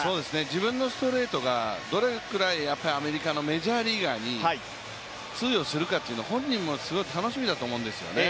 自分のストレートがどれぐらいアメリカのメジャーリーガーに通用するのか本人もすごく楽しみだと思うんですよね。